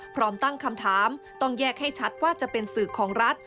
พร้อมตั้งคำถามต้องแยกให้ชัดว่าจะเป็นสื่อของรัฐ